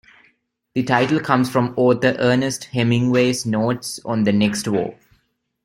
The title comes from author Ernest Hemingway's "Notes on the Next War".